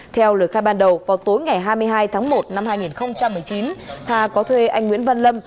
theo lời khai ban đầu vào tối ngày hai mươi hai tháng một năm hai nghìn một mươi chín hà có thuê anh nguyễn văn lâm